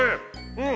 うん！